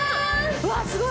うわすごい！